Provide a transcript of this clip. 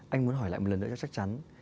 anh muốn hỏi lại một lần nữa cho chắc chắn